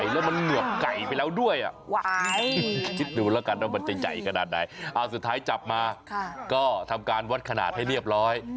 สุดท้ายจับมาทำการวัดขนาดให้เรียบร้อย